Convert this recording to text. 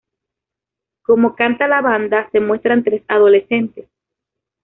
Como canta la banda, se muestran tres adolescentes.